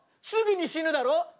すぐに死ぬだろう。